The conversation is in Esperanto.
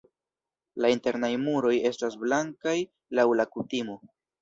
La internaj muroj estas blankaj laŭ la kutimo.